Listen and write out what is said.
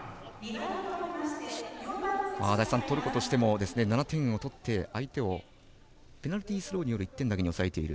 トルコとしても７点を取って相手をペナルティースローによる１点に抑えている。